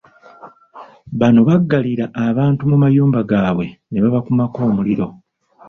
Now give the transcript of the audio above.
Bano baggalira abantu mu mayumba gaabwe ne babakumako omuliro .